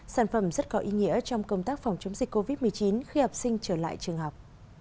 sản phẩm rất có ý nghĩa trong công tác phòng chống dịch covid một mươi chín khi học sinh trở lại trường học